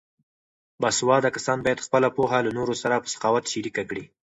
باسواده کسان باید خپله پوهه له نورو سره په سخاوت شریکه کړي.